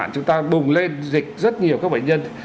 chúng ta bùng lên dịch rất nhiều các bệnh nhân